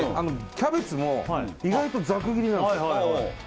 キャベツも意外とざくぎりなんですよ